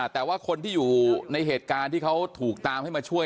แต่ว่าคนที่อยู่ในเหตุการณ์ที่เขาถูกตามให้มาช่วย